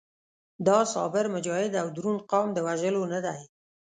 دا صابر، مجاهد او دروند قام د وژلو نه دی.